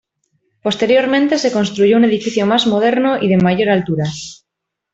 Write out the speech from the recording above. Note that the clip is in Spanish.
Posteriormente se construyó un edificio más moderno y de mayor altura.